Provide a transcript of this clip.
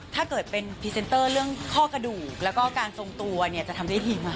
ถ้าเกิดเป็นพรีเซนเตอร์เรื่องข้อกระดูกแล้วก็การทรงตัวเนี่ยจะทำได้ดีมาก